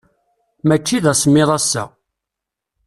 Mačči d asemmiḍ ass-a.